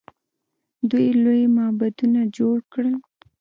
دوی لوی معبدونه جوړ کړل.